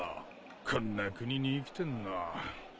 こんな国に生きてんの。